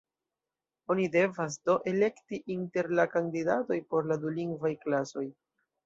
Oni devas, do, elekti inter la kandidatoj por la dulingvaj klasoj.